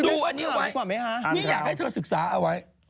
ดูอันนี้ไว้นี่อยากให้เธอศึกษาเอาไว้